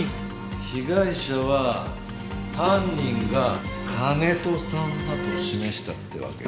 被害者は犯人が金戸さんだと示したってわけか。